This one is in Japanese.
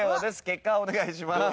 結果お願いします。